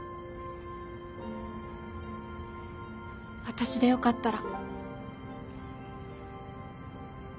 私でよかったら。